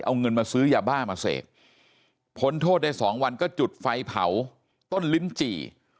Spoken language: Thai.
เอาเงินมาซื้อยาบ้ามาเสพพ้นโทษได้สองวันก็จุดไฟเผาต้นลิ้นจี่